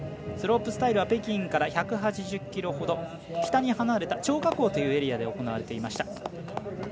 スロープスタイルは北京から１８０ｋｍほど北に離れた張家口というエリアで行われていました。